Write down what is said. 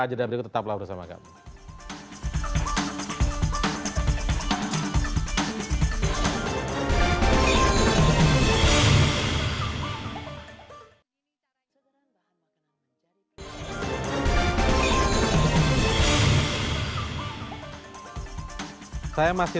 jeda berikut tetaplah bersama kami